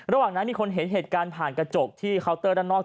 ระหว่างนั้นมีคนเห็นเหตุการณ์ผ่านกระจกที่เคาน์เตอร์ด้านนอก